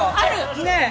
ねえ！